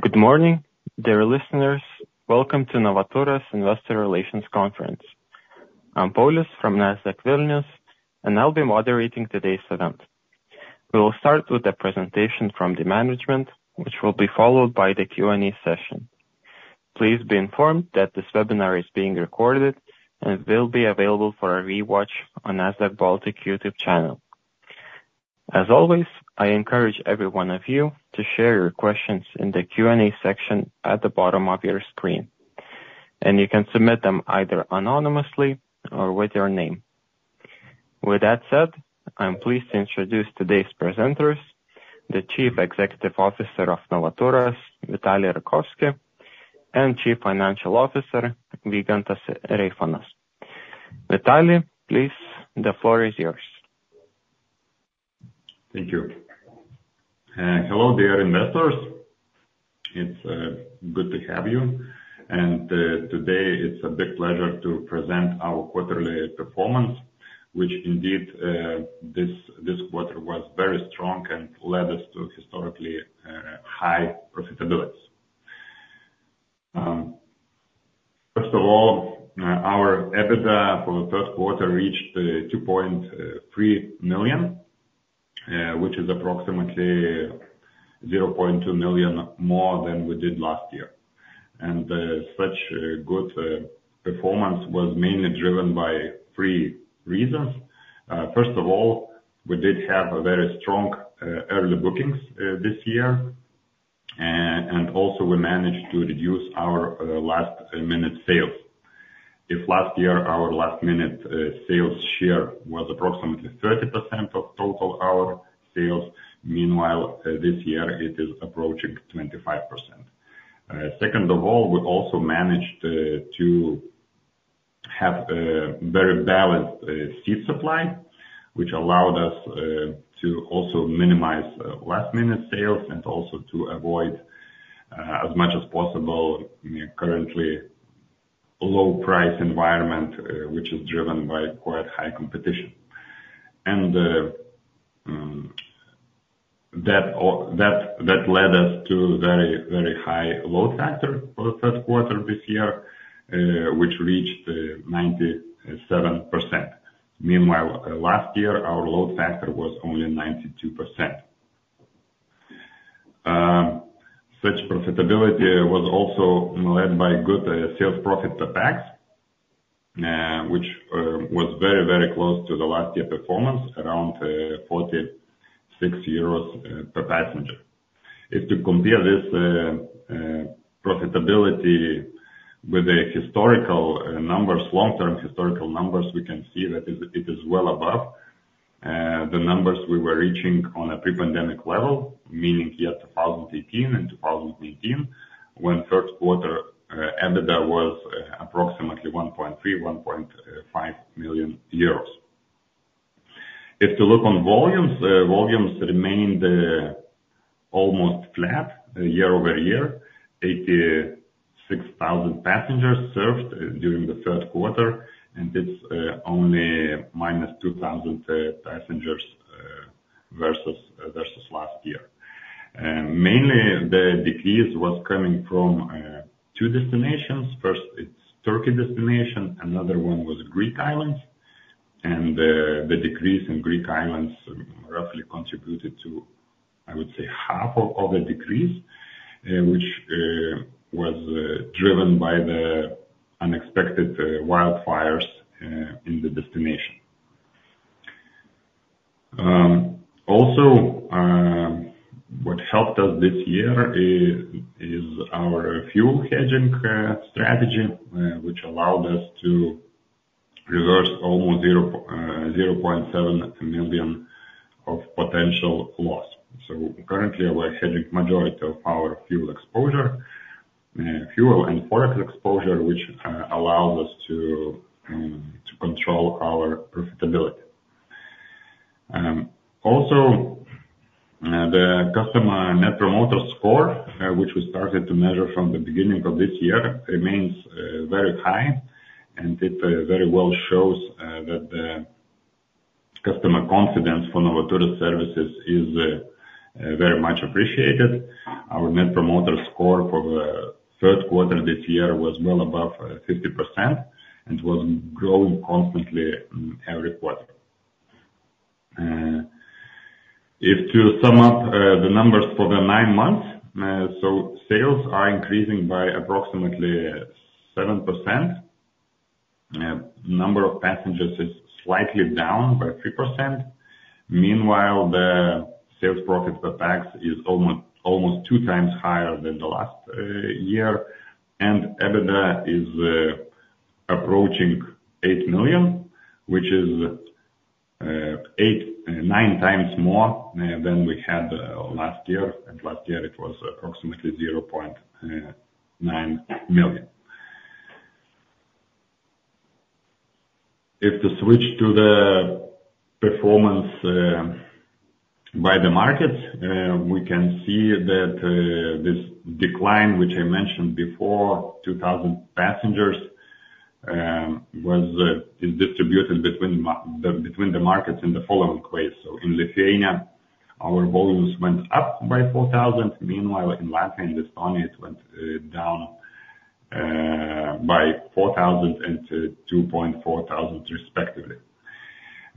Good morning, dear listeners. Welcome to Novaturas Investor Relations Conference. I'm Paulius from Nasdaq Vilnius, and I'll be moderating today's event. We will start with a presentation from the management, which will be followed by the Q&A session. Please be informed that this webinar is being recorded and will be available for a rewatch on Nasdaq Baltic YouTube channel. As always, I encourage every one of you to share your questions in the Q&A section at the bottom of your screen, and you can submit them either anonymously or with your name. With that said, I'm pleased to introduce today's presenters, the Chief Executive Officer of Novaturas, Vitalij Rakovski, and Chief Financial Officer, Vygantas Reifonas. Vitalij, please, the floor is yours. Thank you. Hello, dear investors. It's good to have you, and today it's a big pleasure to present our quarterly performance, which indeed this quarter was very strong and led us to historically high profitability. First of all, our EBITDA for the first quarter reached 2.3 million, which is approximately 0.2 million more than we did last year. And such a good performance was mainly driven by three reasons. First of all, we did have a very strong early bookings this year, and also we managed to reduce our last-minute sales. If last year, our last-minute sales share was approximately 30% of total our sales, meanwhile this year it is approaching 25%. Second of all, we also managed to have very balanced seat supply, which allowed us to also minimize last-minute sales and also to avoid as much as possible currently low price environment, which is driven by quite high competition. And that led us to very, very high load factor for the first quarter this year, which reached 97%. Meanwhile, last year, our load factor was only 92%. Such profitability was also led by good sales profit per pax, which was very, very close to the last year performance, around 46 euros per passenger. If you compare this profitability with the historical numbers, long-term historical numbers, we can see that it is well above the numbers we were reaching on a pre-pandemic level. Meaning, year 2018 and 2019, when first quarter EBITDA was approximately 1.3 million, 1.5 million euros. If to look on volumes, volumes remained almost flat year-over-year. 86,000 passengers served during the first quarter, and it's only -2,000 passengers versus last year. Mainly the decrease was coming from two destinations. First, it's Turkey destination, another one was Greek Islands. And the decrease in Greek Islands roughly contributed to, I would say, half of the decrease, which was driven by the unexpected wildfires in the destination. Also, what helped us this year is our fuel hedging strategy, which allowed us to reverse almost 0.7 million of potential loss. So currently, we're hedging majority of our fuel exposure, fuel and forex exposure, which allows us to control our profitability. Also, the customer Net Promoter Score, which we started to measure from the beginning of this year, remains very high, and it very well shows that the customer confidence for Novaturas services is very much appreciated. Our Net Promoter Score for the third quarter this year was well above 50% and was growing constantly every quarter. If to sum up the numbers for the nine months, sales are increasing by approximately 7%. Number of passengers is slightly down by 3%. Meanwhile, the sales profit per pax is almost two times higher than the last year. And EBITDA is approaching 8 million, which is 8-9 times more than we had last year. And last year it was approximately 0.9 million. If to switch to the performance by the market, we can see that this decline, which I mentioned before, 2,000 passengers, is distributed between the markets in the following ways: So in Lithuania, our volumes went up by 4,000, meanwhile, in Latvia and Estonia, it went down by 4,000 and 2,400 respectively.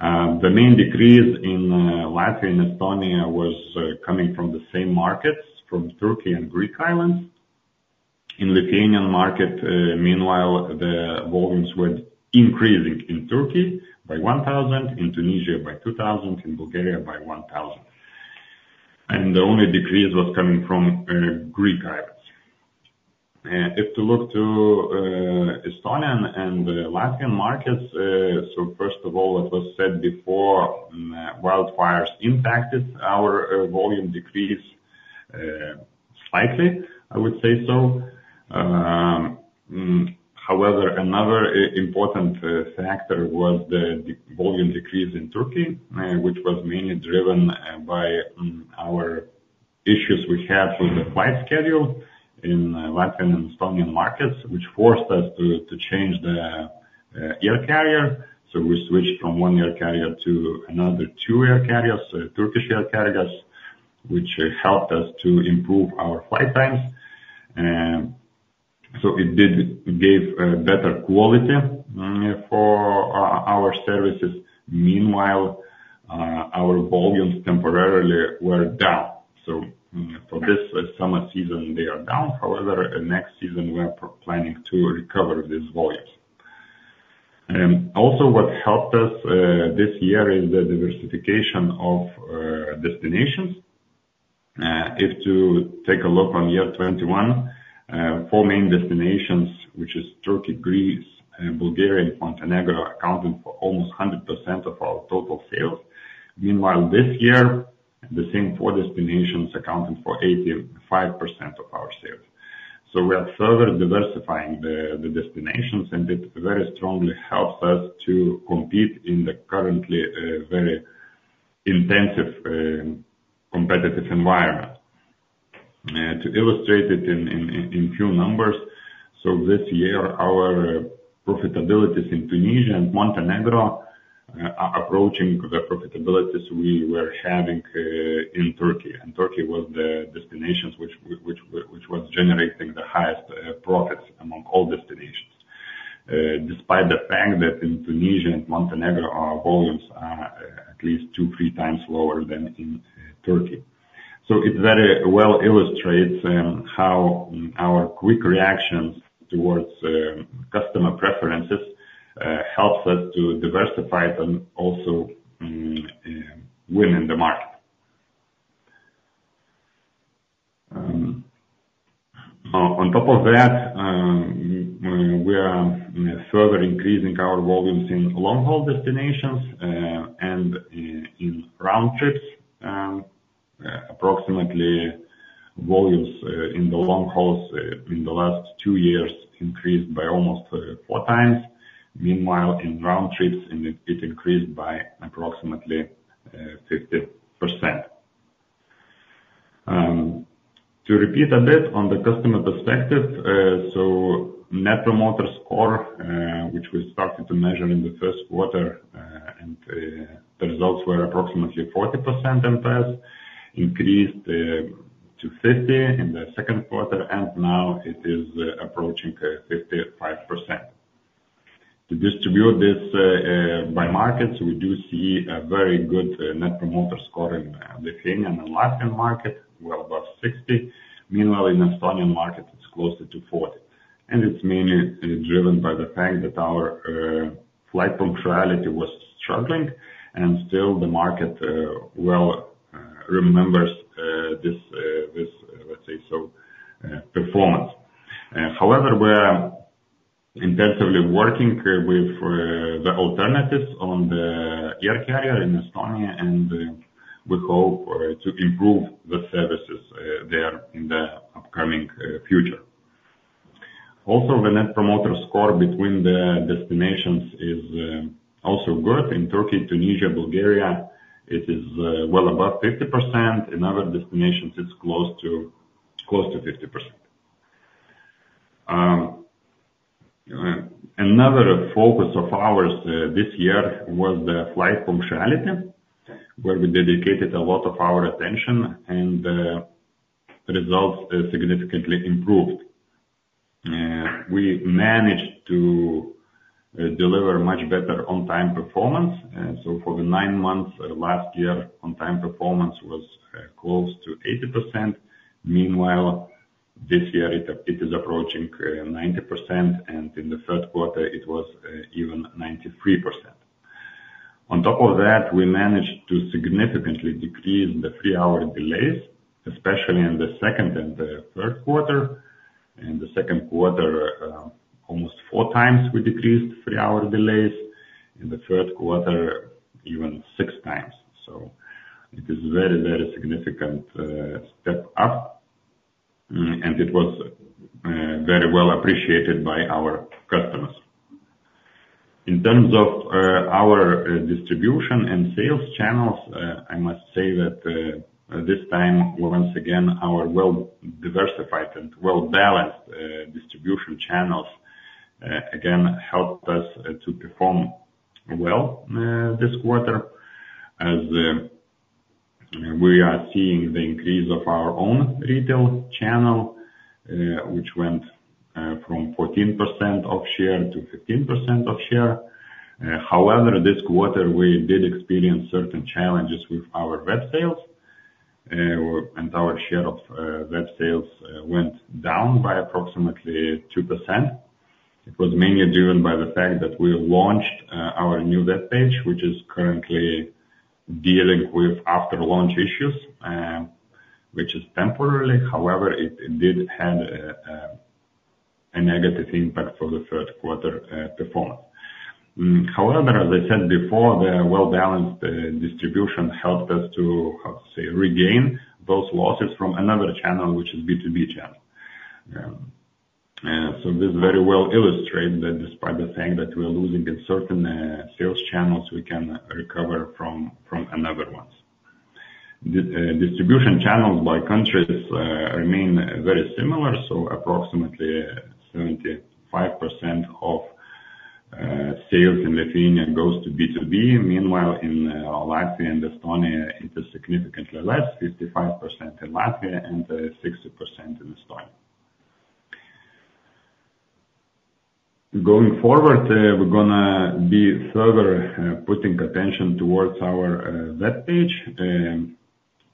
The main decrease in Latvia and Estonia was coming from the same markets, from Turkey and Greek Islands. In Lithuanian market, meanwhile, the volumes were increasing in Turkey by 1,000, in Tunisia by 2,000, in Bulgaria by 1,000. The only decrease was coming from Greek Islands. If to look to Estonian and the Latvian markets, first of all, it was said before, wildfires impacted our volume decrease slightly, I would say so. However, another important factor was the volume decrease in Turkey, which was mainly driven by our issues we had with the flight schedule in Latvian and Estonian markets, which forced us to change the air carrier. So we switched from one air carrier to another two air carriers, Turkish air carriers, which helped us to improve our flight times. It did give better quality for our services. Meanwhile, our volumes temporarily were down. For this summer season, they are down. However, next season, we are planning to recover this volume. What helped us this year is the diversification of destinations. If to take a look on year 2021, four main destinations, which is Turkey, Greece, Bulgaria, and Montenegro, accounted for almost 100% of our total sales. Meanwhile, this year, the same four destinations accounted for 85% of our sales. We are further diversifying the destinations, and it very strongly helps us to compete in the currently very intensive competitive environment. To illustrate it in few numbers, so this year, our profitabilities in Tunisia and Montenegro are approaching the profitabilities we were having in Turkey. Turkey was the destinations which was generating the highest profits among all destinations. Despite the fact that in Tunisia and Montenegro, our volumes are at least two-three times lower than in Turkey. So it very well illustrates how our quick reaction towards customer preferences helps us to diversify and also win in the market. On top of that, we are further increasing our volumes in long-haul destinations and in round trips. Approximately, volumes in the long hauls in the last two years increased by almost four times. Meanwhile, in round trips, in it, it increased by approximately 50%. To repeat a bit on the customer perspective, so Net Promoter Score, which we started to measure in the first quarter, and the results were approximately 40% increase to 50% in the second quarter, and now it is approaching 55%. To distribute this by markets, we do see a very good Net Promoter Score in Lithuanian and Latvian market, well above 60%. Meanwhile, in Estonian market, it's closer to 40%, and it's mainly driven by the fact that our flight punctuality was struggling, and still the market well remembers this, this, let's say so performance. However, we're intensively working with the alternatives on the air carrier in Estonia, and we hope to improve the services there in the upcoming future. Also, the Net Promoter Score between the destinations is also growth. In Turkey, Tunisia, Bulgaria, it is well above 50%. In other destinations, it's close to, close to 50%. Another focus of ours this year was the flight punctuality, where we dedicated a lot of our attention, and results significantly improved. We managed to deliver much better on-time performance. So for the nine months of last year, on-time performance was close to 80%. Meanwhile, this year, it is approaching 90%, and in the third quarter, it was even 93%. On top of that, we managed to significantly decrease the three-hour delays, especially in the second and the third quarter. In the second quarter, almost four times, we decreased three-hour delays. In the third quarter, even six times. So it is a very, very significant step up, and it was very well appreciated by our customers. In terms of our distribution and sales channels, I must say that this time, once again, our well-diversified and well-balanced distribution channels again helped us to perform well this quarter, as we are seeing the increase of our own retail channel, which went from 14% of share to 15% of share. However, this quarter we did experience certain challenges with our web sales, and our share of web sales went down by approximately 2%. It was mainly driven by the fact that we launched our new web page, which is currently dealing with after-launch issues, which is temporarily, however, it did have a negative impact for the third quarter performance. However, as I said before, the well-balanced distribution helped us to, how to say, regain those losses from another channel, which is B2B channel. And so this very well illustrate that despite the fact that we are losing in certain sales channels, we can recover from another ones. The distribution channels by countries remain very similar, so approximately 75% of sales in Lithuania goes to B2B. Meanwhile, in Latvia and Estonia, it is significantly less, 55% in Latvia and 60% in Estonia. Going forward, we're gonna be further putting attention towards our web page.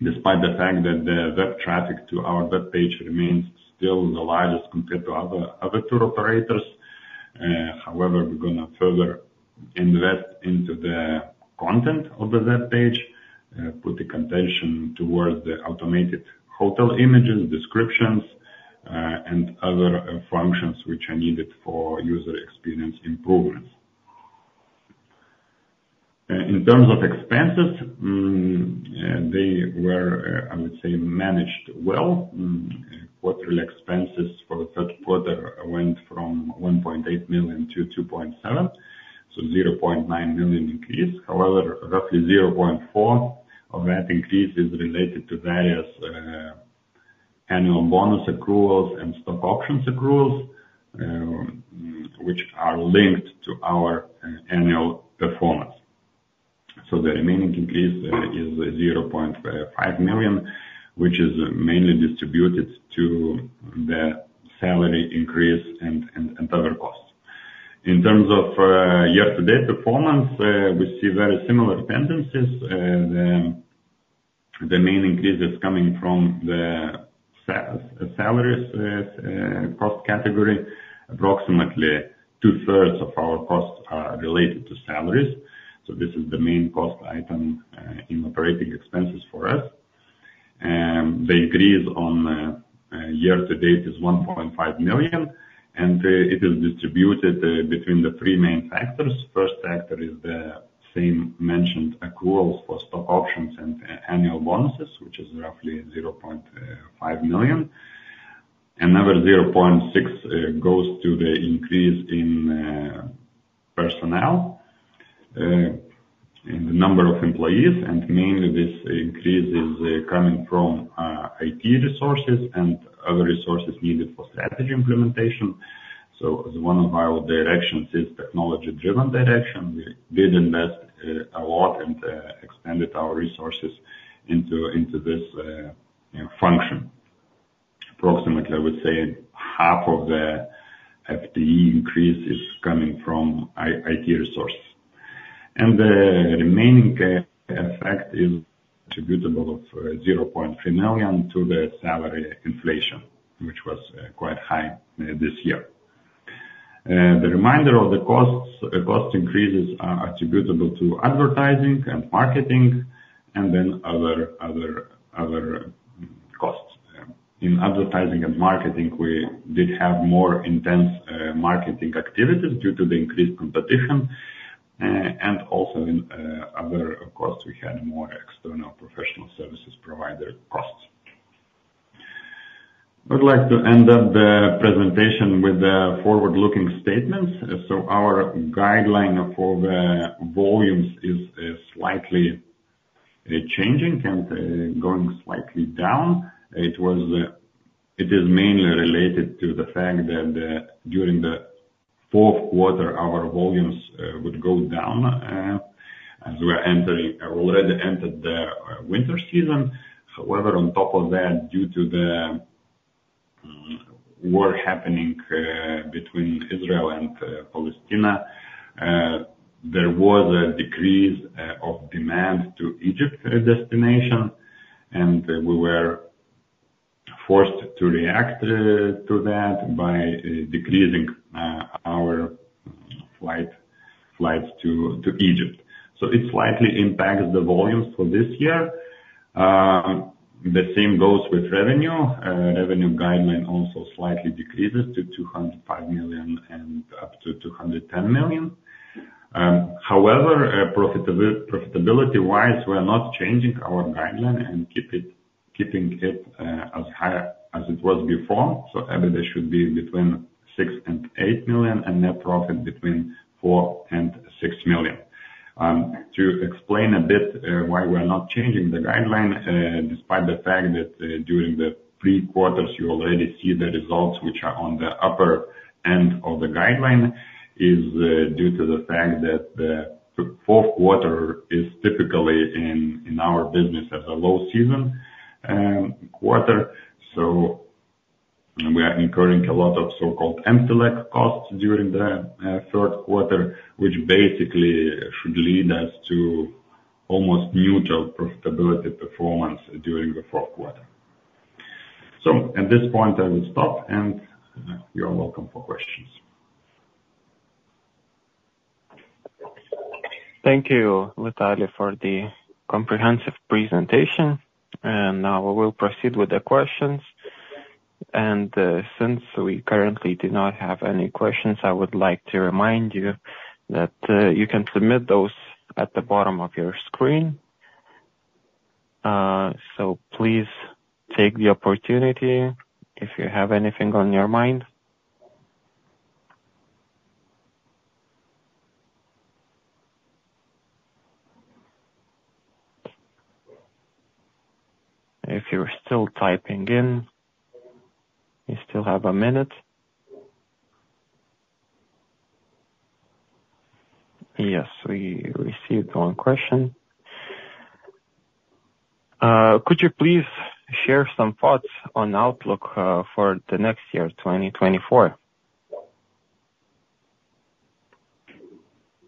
Despite the fact that the web traffic to our web page remains still the largest compared to other tour operators, however, we're gonna further invest into the content of the web page. Put the attention towards the automated hotel images, descriptions, and other functions which are needed for user experience improvements. In terms of expenses, they were, I would say, managed well. Quarterly expenses for the third quarter went from 1.8 million to 2.7 million, so 0.9 million increase. However, roughly 0.4 of that increase is related to various annual bonus accruals and stock option accruals, which are linked to our annual performance. So the remaining increase is 0.5 million, which is mainly distributed to the salary increase and other costs. In terms of year-to-date performance, we see very similar tendencies. The main increase is coming from the salaries cost category. Approximately two-thirds of our costs are related to salaries, so this is the main cost item in operating expenses for us. The increase on year to date is 1.5 million, and it is distributed between the three main factors. First factor is the same mentioned accruals for stock options and annual bonuses, which is roughly 0.5 million. Another zero point six goes to the increase in personnel in the number of employees, and mainly this increase is coming from IT resources and other resources needed for strategy implementation. So one of our directions is technology-driven direction. We did invest a lot and expanded our resources into this function. Approximately, I would say, half of the FTE increase is coming from IT resources. And the remaining effect is attributable of 0.3 million to the salary inflation, which was quite high this year. The remainder of the costs, the cost increases are attributable to advertising and marketing, and then other costs. In advertising and marketing, we did have more intense marketing activities due to the increased competition, and also in other costs, we had more external professional services provider costs. I'd like to end up the presentation with the forward-looking statements. So our guideline for the volumes is slightly changing and going slightly down. It is mainly related to the fact that during the fourth quarter, our volumes would go down as we are entering, have already entered the winter season. However, on top of that, due to the war happening between Israel and Palestine, there was a decrease of demand to Egypt as a destination, and we were forced to react to that by decreasing our flight, flights to Egypt. So it slightly impacts the volumes for this year. The same goes with revenue. Revenue guideline also slightly decreases to 205 million and up to 210 million. However, profitability-wise, we are not changing our guideline and keep it, keeping it as high as it was before. So EBITDA should be between 6 million and 8 million, and net profit between 4 million and 6 million. To explain a bit, why we are not changing the guideline, despite the fact that, during the three quarters, you already see the results which are on the upper end of the guideline, is due to the fact that the fourth quarter is typically in our business as a low season quarter. So we are incurring a lot of so-called costs during the third quarter, which basically should lead us to almost neutral profitability performance during the fourth quarter. So at this point, I will stop, and you are welcome for questions. Thank you, Vitalij, for the comprehensive presentation. Now we will proceed with the questions. Since we currently do not have any questions, I would like to remind you that you can submit those at the bottom of your screen. So please take the opportunity if you have anything on your mind. If you're still typing in, you still have a minute. Yes, we received one question. Could you please share some thoughts on outlook for the next year, 2024?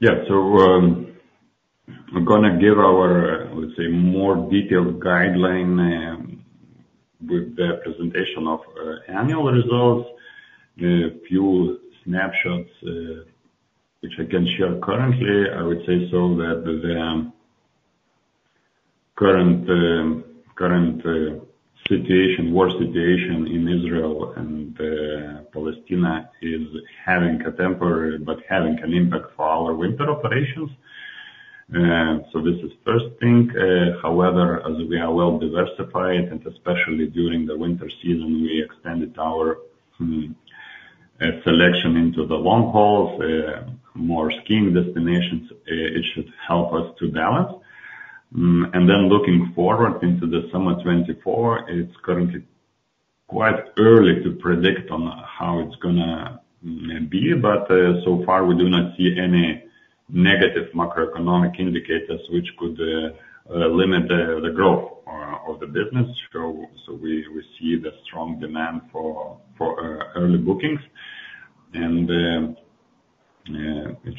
Yeah. So, we're gonna give our, let's say, more detailed guideline, with the presentation of, annual results. The few snapshots, which I can share currently, I would say so that the current war situation in Israel and Palestine is having a temporary, but having an impact for our winter operations. So this is first thing. However, as we are well diversified, and especially during the winter season, we extended our, selection into the long hauls, more skiing destinations. It should help us to balance. And then looking forward into the summer 2024, it's currently quite early to predict on how it's gonna be, but, so far, we do not see any negative macroeconomic indicators, which could limit the growth of the business. So we see the strong demand for early bookings, and it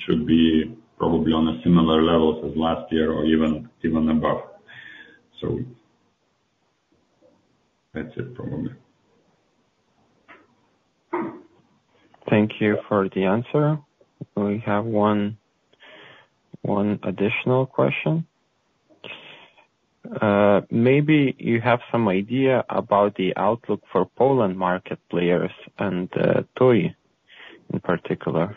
should be probably on a similar levels as last year or even above. So that's it for a moment. Thank you for the answer. We have one additional question. Maybe you have some idea about the outlook for Poland market players and TUI in particular.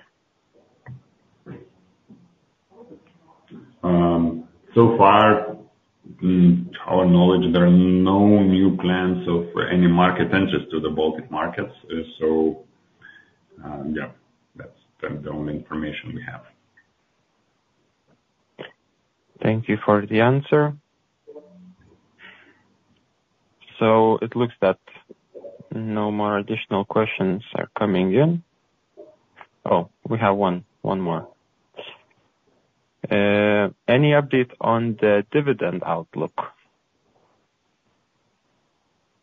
So far, our knowledge, there are no new plans of any market entries to the Baltic markets. So, yeah, that's the only information we have. Thank you for the answer. It looks that no more additional questions are coming in. Oh, we have one, one more. Any update on the dividend outlook?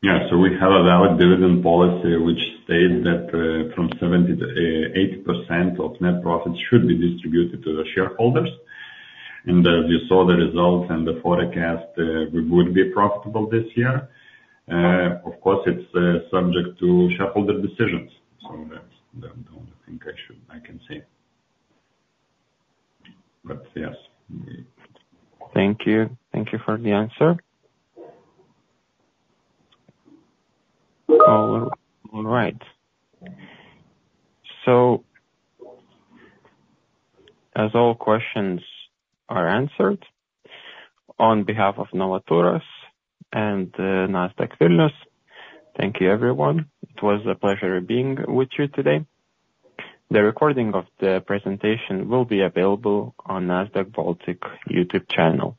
Yeah, so we have our dividend policy, which states that from 70%-80% of net profits should be distributed to the shareholders. And you saw the results and the forecast, we would be profitable this year. Of course, it's subject to shareholder decisions. So that's the, I think I should I can say. But yes. Thank you. Thank you for the answer. All right. So as all questions are answered, on behalf of Novaturas and Nasdaq Vilnius, thank you, everyone. It was a pleasure being with you today. The recording of the presentation will be available on Nasdaq Baltic YouTube channel.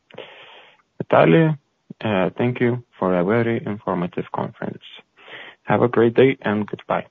Vitalij, thank you for a very informative conference. Have a great day and goodbye.